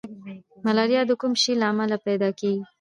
ملاریا د کوم شي له امله پیدا کیږي